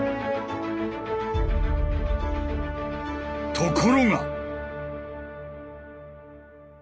ところが！